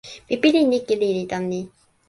mi pilin ike lili tan ni.